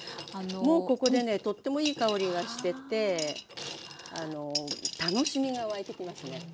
もうここでねとってもいい香りがしてて楽しみが湧いてきますね。